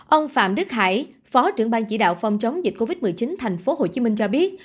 ông phạm đức hải phó trưởng ban chỉ đạo phòng chống dịch covid một mươi chín tp hcm cho biết